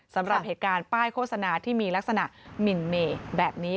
สำหรับเหตุการณ์ป้ายโฆษณาที่มีลักษณะหมินเมย์แบบนี้